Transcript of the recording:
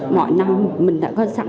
mọi năm mình đã có sẵn